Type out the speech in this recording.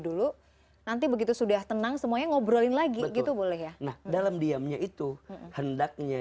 dulu nanti begitu sudah tenang semuanya ngobrolin lagi gitu boleh ya nah dalam diamnya itu hendaknya